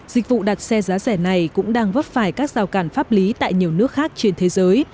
dịch vụ đặt xe giá rẻ này cũng đang vấp phải các rào cản pháp lý tại nhiều nước khác trên thế giới